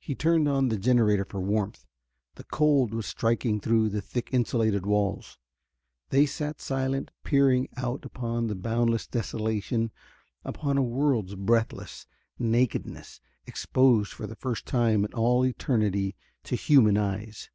He turned on the generator for warmth. The cold was striking through the thick insulated walls. They sat silent, peering out upon that boundless desolation, upon a world's breathless nakedness, exposed for the first time in all eternity to human eyes.